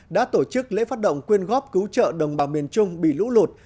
đã tổ chức lễ phát động quyên góp cứu trợ đồng bào miền trung bị lũ lụt